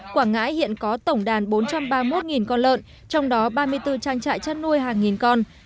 quảng ngãi hiện có tổng đàn bốn trăm ba mươi một con lợn trong đó ba mươi bốn trang trại chăn nuôi hàng nghìn con